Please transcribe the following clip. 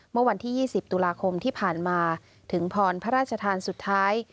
เมื่อวันที่๒๐ตุลาคมที่ผ่านมาถึงพรพระราชทานสุดท้าย